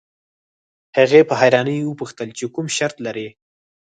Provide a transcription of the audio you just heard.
هغې په حيرانۍ وپوښتل چې کوم شرط لرئ.